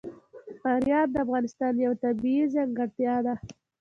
فاریاب د افغانستان یوه طبیعي ځانګړتیا ده.